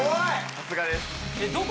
さすがです。